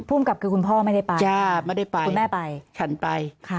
ภูมิกับคือคุณพ่อไม่ได้ไปไม่ได้ไปคุณแม่ไปฉันไปค่ะ